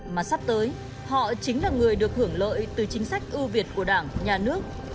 mà sắp tới họ chính là người được hưởng lợi từ chính sách ưu việt của đảng nhà nước